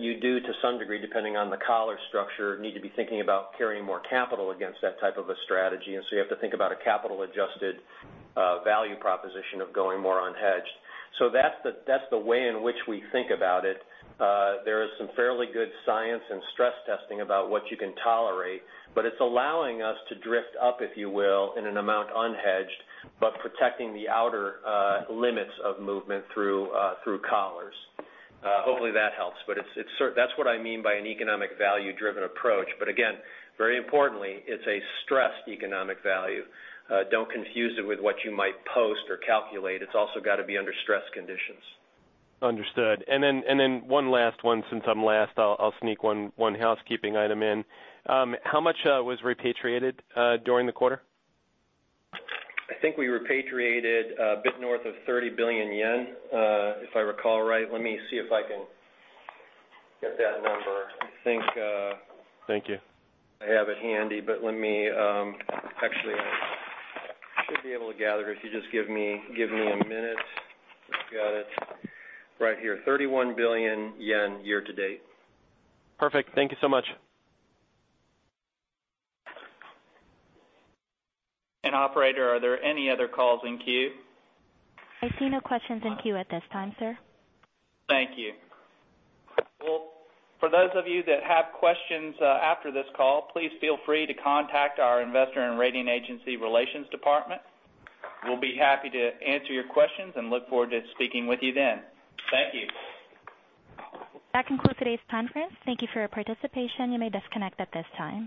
You do, to some degree, depending on the collar structure, need to be thinking about carrying more capital against that type of a strategy. So you have to think about a capital-adjusted value proposition of going more unhedged. That's the way in which we think about it. There is some fairly good science and stress testing about what you can tolerate, but it's allowing us to drift up, if you will, in an amount unhedged, but protecting the outer limits of movement through collars. Hopefully that helps. That's what I mean by an economic value driven approach. Again, very importantly, it's a stressed economic value. Don't confuse it with what you might post or calculate. It's also got to be under stress conditions. Understood. Then one last one since I'm last, I'll sneak one housekeeping item in. How much was repatriated during the quarter? I think we repatriated a bit north of 30 billion yen, if I recall right. Let me see if I can get that number. Thank you I have it handy, but let me actually, I should be able to gather if you just give me a minute. I've got it right here. 31 billion yen year to date. Perfect. Thank you so much. Operator, are there any other calls in queue? I see no questions in queue at this time, sir. Thank you. Well, for those of you that have questions after this call, please feel free to contact our investor and rating agency relations department. We'll be happy to answer your questions and look forward to speaking with you then. Thank you. That concludes today's conference. Thank you for your participation. You may disconnect at this time.